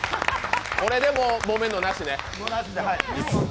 これでもうもめるのなしね。